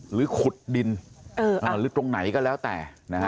หรือขุดดินหรือตรงไหนก็แล้วแต่นะฮะ